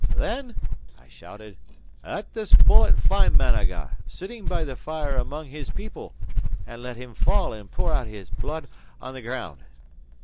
"Then," I shouted, "let this bullet find Managa, sitting by the fire among his people, and let him fall and pour out his blood on the ground!"